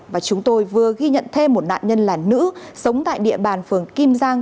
và chúng tôi vừa ghi nhận thêm một nạn nhân là nữ sống tại địa bàn phường kim giang